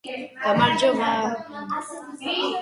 სენ-ჟერმენის გაწვრთნა მხოლოდ რბილი მეთოდით უნდა მოხდეს.